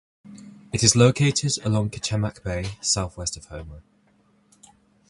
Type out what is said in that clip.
It is located along Kachemak Bay southwest of Homer.